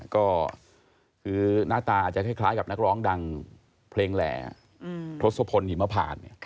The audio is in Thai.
ก็คือหน้าตาจะคล้ายกับนักร้องดังเพลงแรร์ทศพลชิมเมื่อผ่าน